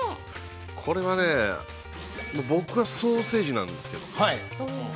◆これはね、僕はソーセージなんですけども。